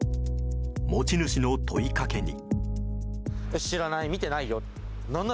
持ち主の問いかけに。